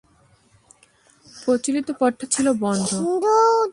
প্রচলিত পথটা ছিল বন্ধ।